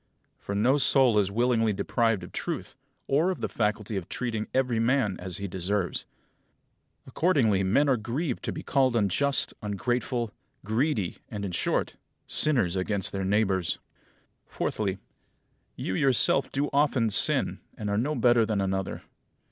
For no soul is willingly deprived of truth, or of the faculty of treating every man as he deserves. Accordingly men are grieved to be called unjust, ungrateful, greedy, and, in short, sinners against their neighbours. Fourthly: You yourself do often sin, and are no better than another.